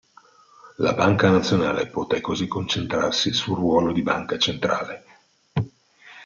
La Banca nazionale poté così concentrarsi sul ruolo di banca centrale.